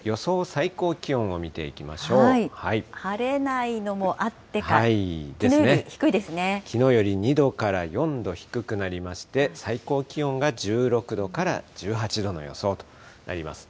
最高気温を見ていきま晴れないのもあってか、きのきのうより２度から４度低くなりまして、最高気温が１６度から１８度の予想となります。